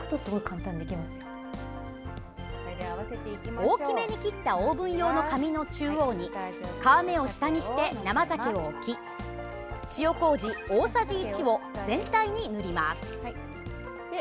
大きめに切ったオーブン用の紙の中央に皮目を下にして生ざけを置き塩こうじ大さじ１を全体に塗ります。